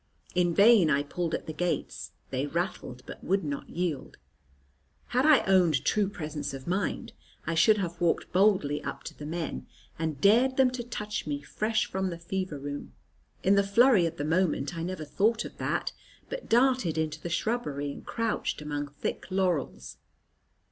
In vain I pulled at the gates; they rattled, but would not yield. Had I owned true presence of mind, I should have walked boldly up to the men, and dared them to touch me fresh from the fever room. In the flurry of the moment I never thought of that, but darted into the shrubbery, and crouched among thick laurels.